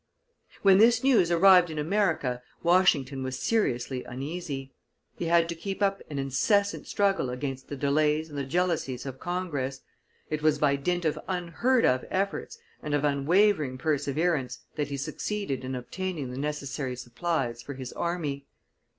When this news arrived in America, Washington was seriously uneasy. He had to keep up an incessant struggle against the delays and the jealousies of Congress; it was by dint of unheard of efforts and of unwavering perseverance that he succeeded in obtaining the necessary supplies for his army.